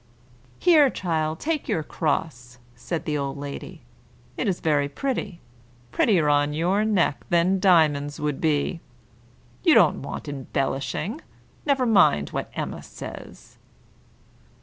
"Here, child, take your cross," said the old lady. "It is very pretty; prettier on your neck than diamonds would be. You don't want embellishing; never mind what Emma says."